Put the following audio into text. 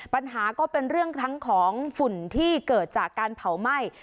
ปัญหาก็เป็นเรื่องทั้งของฝุ่นที่เกิดจากการเผาไหม้